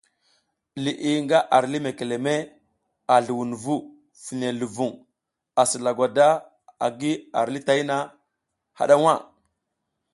Liʼi nga ar lih mekeleme a zluwunvu fine luvuŋ asi lagwada agi ar lih tayna haɗa nha.